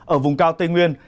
ở vùng cao tây nguyên